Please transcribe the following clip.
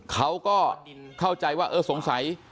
เขาก็เข้าใจว่าเออสงสัย